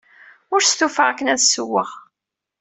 Ur stufaɣ akken ad ssewweɣ.